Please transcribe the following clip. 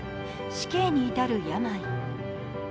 「死刑にいたる病」。